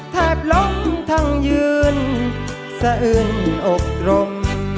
แทบล้มทั้งยืนสะอืนอกรม